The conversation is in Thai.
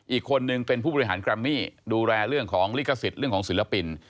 อีกคนนึงเป็นผู้บริหารแกรมมี่ดูแลเรื่องของลิขสิทธิ์เรื่องของศิลปิน